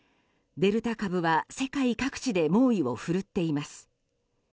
デルタ株は世界各地で猛威を振るっています。